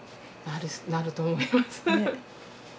なると思います。